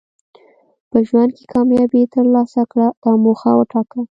په ژوند کې کامیابي ترلاسه کړه دا موخه وټاکه.